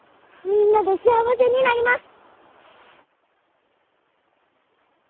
「みんなで幸せになります」。